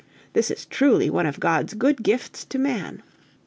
This is truly one of God's good gifts to man!